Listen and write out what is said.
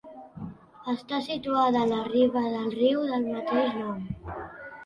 Està situada a la riba del riu del mateix nom.